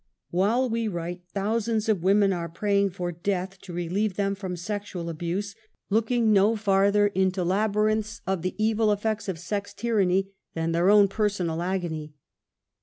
While we write, thousands of women are praying for death to relieve them from sexual abuse, looking no farther into labyrinths of the evil eftects of sex tyranny, than their own personal agony.